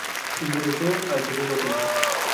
Ingresó al segundo tiempo.